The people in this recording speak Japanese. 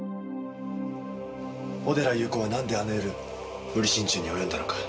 小寺裕子はなんであの夜無理心中に及んだのか。